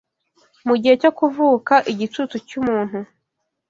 Mugihe cyo kuvuka igicucu cyumuntu